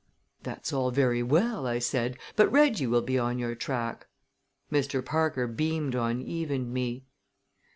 "That's all very well," I said; "but Reggie will be on your track." Mr. Parker beamed on Eve and me.